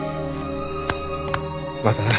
またな。